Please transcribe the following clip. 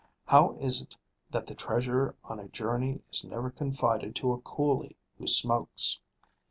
How is it that the treasure on a journey is never confided to a coolie who smokes?